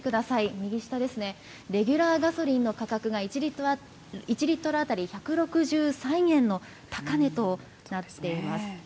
右下ですね、レギュラーガソリンの価格が１リットル当たり１６３円の高値となっています。